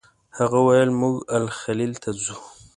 هغه وویل موږ الخلیل ته ځو.